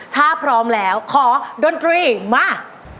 ถ้าพร้อมแล้วขอดนตรีมา